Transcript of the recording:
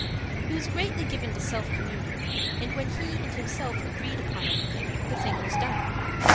He was greatly given to self communing, and, when he and himself agreed upon anything, the thing was done.